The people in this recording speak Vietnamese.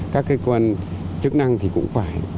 các cơ quan chức năng thì cũng phải